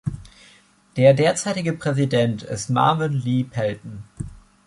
Der derzeitige Präsident ist Marvin Lee Pelton.